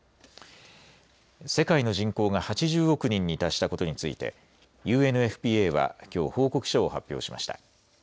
世界の人口が８０億人に達したことについてＵＮＦＰＡはきょう報告書を発表しました。